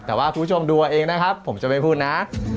แต่ว่าคุณผู้ชมดูเอาเองนะครับผมจะไม่พูดนะ